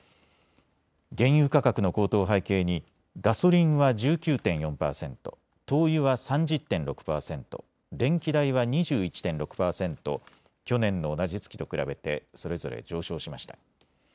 原油価格の高騰を背景にガソリンは１９．４％、灯油は３０．６％、電気代は２１．６％去年の同じ月と比べてそれぞれ上昇しました。